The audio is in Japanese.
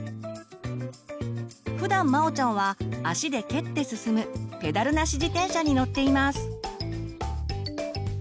ふだんまおちゃんは足で蹴って進む「ペダルなし自転車」に乗っています。